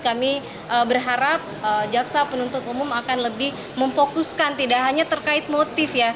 kami berharap jaksa penuntut umum akan lebih memfokuskan tidak hanya terkait motif ya